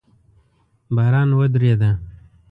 باران ودرېده